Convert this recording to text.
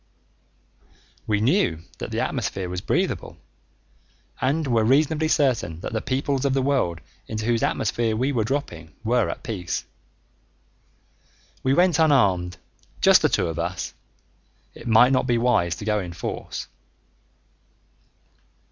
We knew that the atmosphere was breathable and were reasonably certain that the peoples of the world into whose atmosphere we were dropping were at peace. We went unarmed, just the two of us; it might not be wise to go in force.